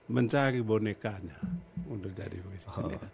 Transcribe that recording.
mencari bonekanya untuk jadi